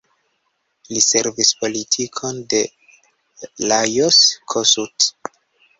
Li sekvis politikon de Lajos Kossuth.